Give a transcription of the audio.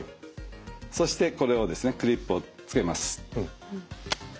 そしてこれをですねクリップをつけます。